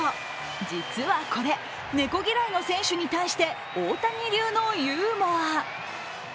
実はこれ、猫嫌いの選手に対して大谷流のユーモア。